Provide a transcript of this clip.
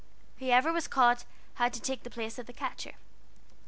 Whoever was caught had to take the place of the catcher.